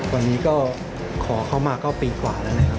วันนี้ก็ขอเข้ามาก็ปีกว่าแล้วนะครับ